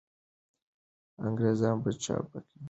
انګریزان په چابکۍ راتلل.